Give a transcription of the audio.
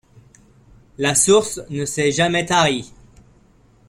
La source ne s'est jamais tarie.